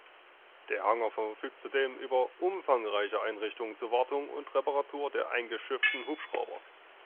Der Hangar verfügt zudem über umfangreiche Einrichtungen zur Wartung und Reparatur der eingeschifften Hubschrauber.